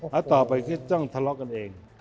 แล้วต่อไปคิดต้องทะเลาะกันเอง